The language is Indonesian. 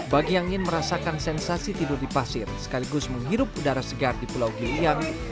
bagi yang ingin merasakan sensasi tidur di pasir sekaligus menghirup udara segar di pulau giliang